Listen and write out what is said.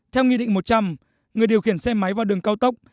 theo nghị định một trăm linh người điều khiển xe máy vào đường cao tốc